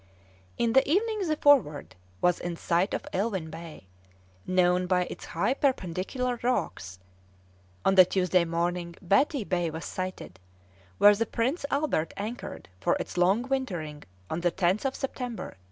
In the evening the Forward was in sight of Elwin Bay, known by its high perpendicular rocks; on the Tuesday morning Batty Bay was sighted, where the Prince Albert anchored for its long wintering on the 10th of September, 1851.